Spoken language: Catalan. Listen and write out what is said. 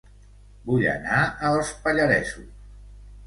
Vull anar a Els Pallaresos